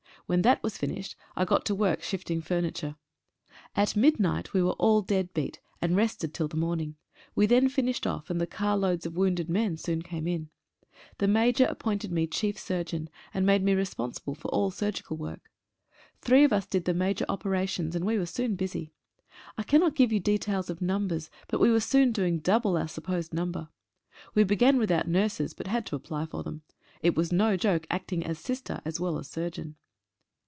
When that was finished I got to work shifting furniture. At midnight we were all dead beat, and rested till the morning. We then finished off, and the car loads of wounded soon came in. The Major appointed me chief surgeon, and made me responsible for all surgical work. Three of us did the major opera tions, and we were soon busy. I cannot give you details of numbers, but we were soon doing double our sup posed number. We began without nurses, but had to apply for them. It was no joke acting as sister as well as surgeon.